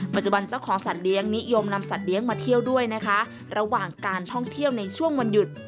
ปัจจุบันเจ้าของสัตว์เลี้ยงนิยมนำสัตว์เลี้ยงมาเที่ยวด้วยนะคะระหว่างการท่องเที่ยวในช่วงวันหยุด